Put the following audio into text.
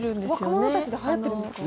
若者たちではやってるんですか？